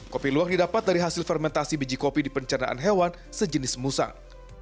kopi luwak didapat dari hasil fermentasi biji kopi di pencernaan hewan sejenis musang